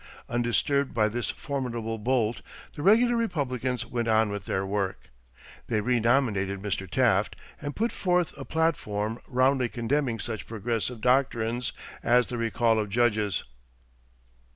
Undisturbed by this formidable bolt, the regular Republicans went on with their work. They renominated Mr. Taft and put forth a platform roundly condemning such Progressive doctrines as the recall of judges.